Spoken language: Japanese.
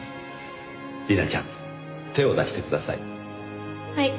莉奈ちゃん手を出してください。